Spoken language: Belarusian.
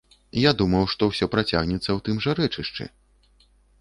Я думаў, што ўсё працягнецца ў тым жа рэчышчы.